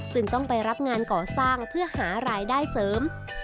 จึงต้องไปรับงานก่อสร้างเพื่อหารายได้เสริม